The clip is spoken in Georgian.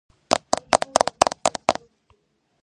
ამასთანავე, იგი კონუსური ლინზის შექმნის ნოვატორი იყო.